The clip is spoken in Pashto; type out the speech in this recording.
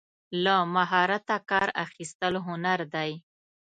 له مهارته کار اخیستل هنر دی.